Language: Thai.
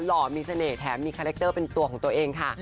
ห่อมีเสน่หแถมมีคาแรคเตอร์เป็นตัวของตัวเองค่ะ